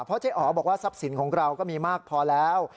เพราะเจ๊อ๋อบอกว่าทรัพย์สินของเราก็มีมากพอแล้ว